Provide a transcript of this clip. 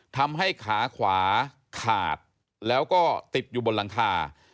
ทำให้ขาขวาขาดแล้วก็ติดอยู่บนหลังคา